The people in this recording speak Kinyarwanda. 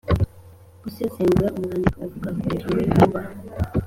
Gusesengura umwandiko uvuga ku ngingo yo kubaha